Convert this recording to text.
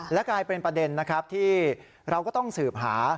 และกลายเป็นประเด็นนะครับที่เราก็ต้องสืบหา